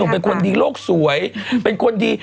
เป็นคนดีโลกสวยเป็นคนดี